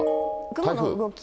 雲の動き。